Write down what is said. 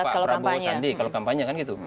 kampanye pak prabowo sandi